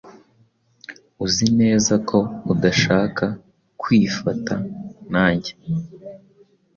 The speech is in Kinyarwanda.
Uzi neza ko udashaka kwifataa nanjye?